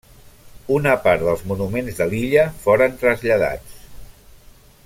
Una part dels monuments de l'illa foren traslladats.